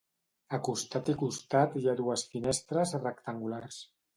A costat i costat hi ha dues finestres rectangulars.